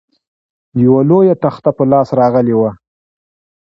یوه لویه تخته په لاس راغلې وه.